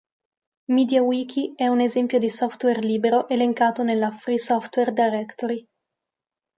MediaWiki è un esempio di software libero elencato nella "Free Software Directory".